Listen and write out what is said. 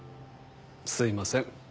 すいません。